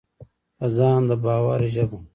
په ځان د باور ژبه: